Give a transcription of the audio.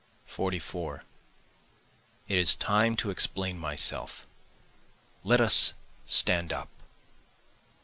44 It is time to explain myself let us stand up.